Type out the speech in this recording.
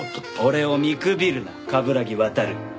俺を見くびるな冠城亘。